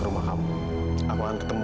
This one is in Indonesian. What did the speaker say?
ke rumah kamu aku akan ketemu